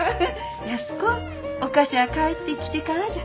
安子お菓子ゃあ帰ってきてからじゃ。